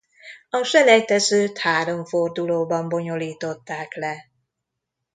A selejtezőt három fordulóban bonyolították le.